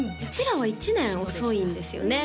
らは１年遅いんですよね